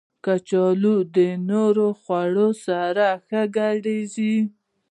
کچالو د نورو خوړو سره ښه ګډېږي